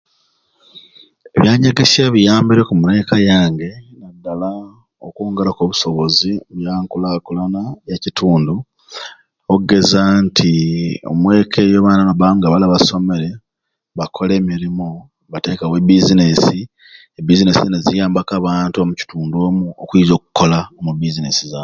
Ebyanyegesya biyambireku muno omweka yange nadal okwongeraku obusobozi ku byankulakulana ya kitundu ogeza nti omweke eyo abaana nibaba nga waliwo osomere bakola emirumu batekawo e business e business neziyambaku abantu omu kitundu omwo okwiza okola omu business